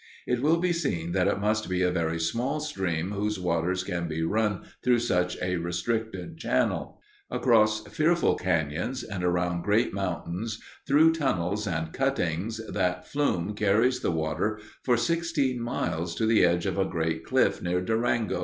It will be seen that it must be a very small stream whose waters can be run through such a restricted channel. Across fearful cañons and around great mountains, through tunnels and cuttings that flume carries the water for sixteen miles to the edge of a great cliff near Durango.